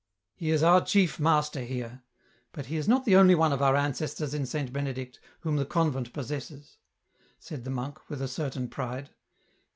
" He is our chief master here ; but he is not the only one of our ancestors in Saint Benedict whom the convent possesses," said the monk with a certain pride.